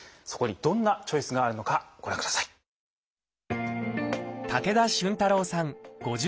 そこにどんなチョイスがあるのかご覧ください。